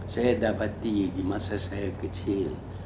saya dapati di masa saya kecil